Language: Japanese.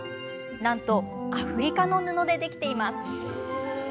なんと、アフリカの布でできています。